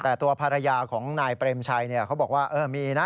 แต่ตัวภรรยาของนายเปรมชัยเขาบอกว่ามีนะ